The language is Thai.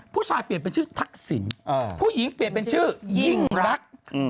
เปลี่ยนเป็นชื่อทักษิณผู้หญิงเปลี่ยนเป็นชื่อยิ่งรัก